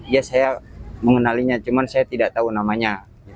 ya saya mengenalinya cuma saya tidak tahu namanya